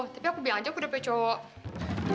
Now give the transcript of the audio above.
tapi aku bilang aja aku udah punya cowok